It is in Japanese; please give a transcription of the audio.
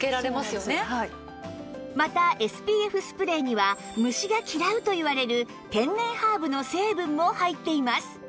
また ＳＰＦ スプレーには虫が嫌うといわれる天然ハーブの成分も入っています